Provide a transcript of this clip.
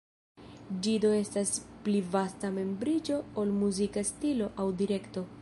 Ĝi do estas pli vasta membriĝo ol muzika stilo aŭ direkto.